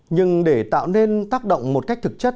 nhưng để tạo nên tác động một cách thực chất